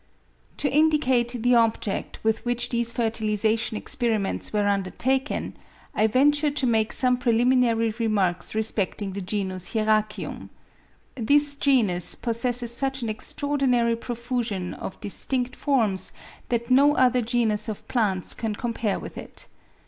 To indicate the object with which these fertilisation experiments were undertaken, I venture to make some preliminary remarks respecting the genus Hieracium. This genus possesses such an extraordinary profusion of distinct forms that no other genus of plants can compare with it.